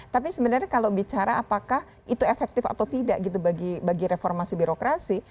tapi sebenarnya kalau bicara apakah itu efektif atau tidak gitu bagi reformasi birokrasi